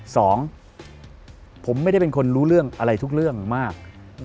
สองผมไม่ได้เป็นคนรู้เรื่องอะไรทุกเรื่องมาก